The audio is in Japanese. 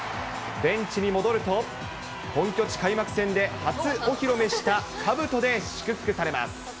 ベンチに戻ると、本拠地開幕戦で初お披露目したかぶとで祝福されます。